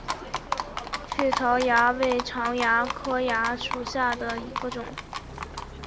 葎草蚜为常蚜科蚜属下的一个种。